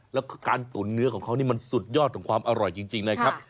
แล้วการตุ๋นเนื้อของเขานี่มันสุดยอดของความอร่อยจริงนะครับ